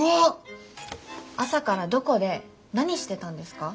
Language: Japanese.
朝からどこで何してたんですか？